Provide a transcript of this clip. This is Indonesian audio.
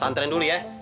santerin dulu ya